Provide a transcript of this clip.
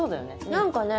何かね